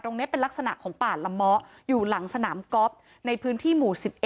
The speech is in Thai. ตรงนี้เป็นลักษณะของป่าละเมาะอยู่หลังสนามก๊อฟในพื้นที่หมู่๑๑